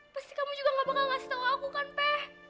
pasti kamu juga gak bakal ngasih tau aku kan teh